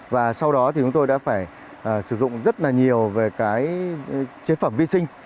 và sau đó thì chúng tôi đã phải sử dụng rất là nhiều về cái chế phẩm vi sinh